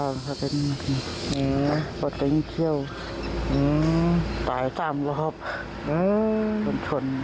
นี่ลองฟังกันดู